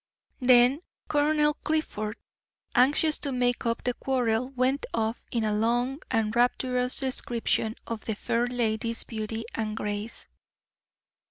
Then Colonel Clifford, anxious to make up the quarrel, went off in a long and rapturous description of the fair lady's beauty and grace.